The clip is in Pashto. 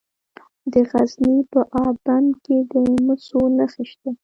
د غزني په اب بند کې د مسو نښې شته.